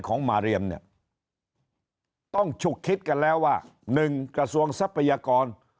ของมาเรียมเนี่ยต้องฉุกคิดกันแล้วว่าหนึ่งกระทรวงทรัพยากร